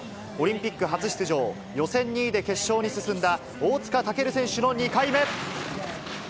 オリンピック初出場、予選２位で決勝に進んだ大塚健選手の２回目。